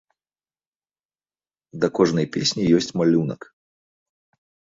Да кожнай песні ёсць малюнак.